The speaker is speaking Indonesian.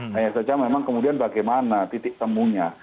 hanya saja memang kemudian bagaimana titik temunya